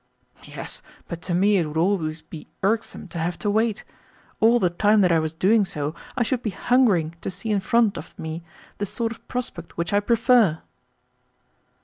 "Yes, but to me it would always be irksome to have to wait. All the time that I was doing so I should be hungering to see in front of me the sort of prospect which I prefer."